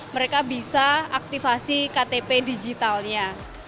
mereka bisa aktifasi ktp digitalnya